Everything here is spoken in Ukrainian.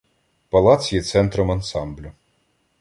Палац є центром ансамблю.